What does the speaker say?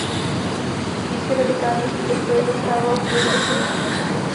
Ještě radikálnější postoj zastával Friedrich Nietzsche.